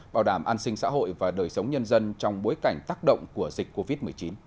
bảo đảm an sinh xã hội và đời sống nhân dân trong bối cảnh tác động của dịch covid một mươi chín